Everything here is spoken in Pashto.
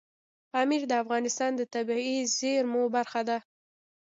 پامیر د افغانستان د طبیعي زیرمو برخه ده.